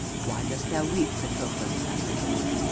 "Why dost thou weep, Patroclus?" asked Achilles.